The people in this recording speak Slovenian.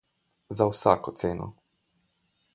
Za vsako ceno.